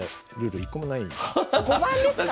５番ですかね。